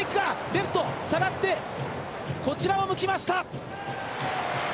レフト、下がって、こちらを向きました。